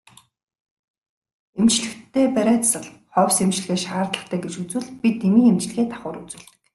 Эмчлэхдээ бариа засал ховс эмчилгээ шаардлагатай гэж үзвэл бид эмийн эмчилгээ давхар үзүүлдэг.